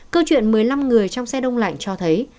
câu chuyện một mươi năm người trong xe đông lạnh cho thấy